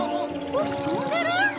ボク飛んでる？